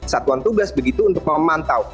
satuan tugas begitu untuk memantau